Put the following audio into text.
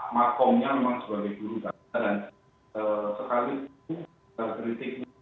makomnya memang sebagai guru dan sekalipun terkritik